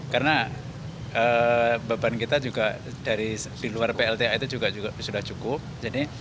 karena beban kita juga di luar plta itu juga sudah cukup